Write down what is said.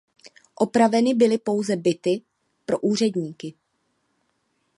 Opraveny byly pouze byty pro úředníky.